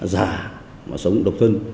già mà sống độc thân